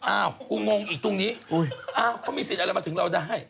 อ้าวกูงงอีกตรงนี้อ้าวเขามีสิทธิ์อะไรมาถึงเราได้